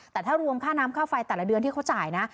แต่ถ้ารวมค่าน้ำค่าไฟแต่ละเดือนที่เขาจ่ายนะ